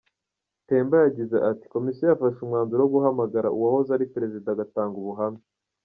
Temba yagize ati “Komisiyo yafashe umwanzuro wo guhamagara uwahoze ari perezida agatanga ubuhamya.